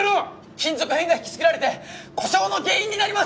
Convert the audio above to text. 金属片が引きつけられて故障の原因になります！